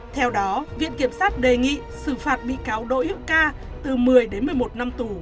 theo đó viện kiểm sát đề nghị xử phạt bị cáo đỗ hữu ca từ một mươi đến một mươi một năm tù